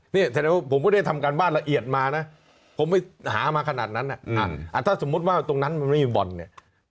นี่แสดงว่าผมก็ได้ทำการบ้านละเอียดมานะผมไปหามาขนาดนั้นถ้าสมมุติว่าตรงนั้นมันไม่มีบ่อนเนี่ย